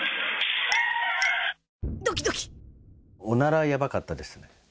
おならはやばかったです。